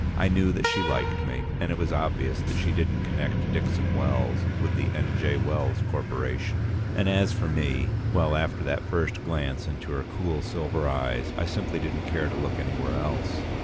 I knew that she liked me, and it was obvious that she didn't connect Dixon Wells with the N. J. Wells Corporation. And as for me well, after that first glance into her cool silver eyes, I simply didn't care to look anywhere else.